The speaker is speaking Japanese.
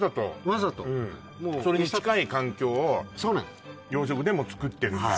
わざとそれに近い環境を養殖でもつくってるんだ